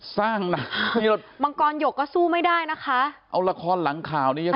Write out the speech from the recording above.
สร้างหนังมังกรหยกก็สู้ไม่ได้นะคะเอาละครหลังข่าวนี้